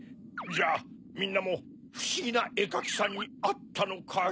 じゃあみんなもふしぎなえかきさんにあったのかい？